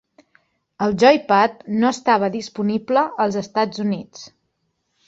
El Joypad no estava disponible als Estats Units.